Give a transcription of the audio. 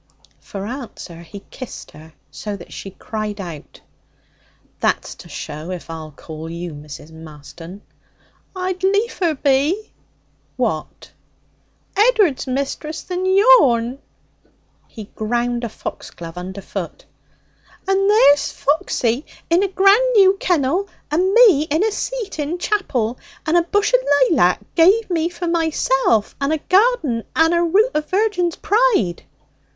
For answer, he kissed her so that she cried out. 'That's to show if I'll call you Mrs. Marston.' 'I'd liefer be.' 'What?' 'Ed'ard's missus than yourn.' He ground a foxglove underfoot. 'And there's Foxy in a grand new kennel, and me in a seat in chapel, and a bush o' laylac give me for myself, and a garden and a root o' virgin's pride.'